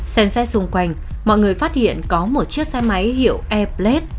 xem xét xung quanh mọi người phát hiện có một chiếc xe máy hiệu airblade